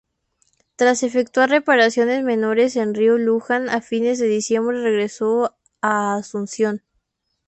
Tras efectuar reparaciones menores en río Luján a fines de diciembre regresó a Asunción.